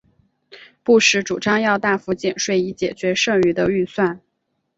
布什主张要大幅减税以解决剩余的预算。